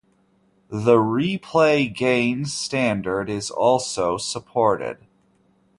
The ReplayGain standard is also supported.